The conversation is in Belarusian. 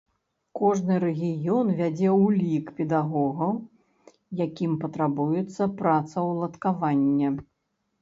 Кожны рэгіён вядзе ўлік педагогаў, якім патрабуецца працаўладкаванне.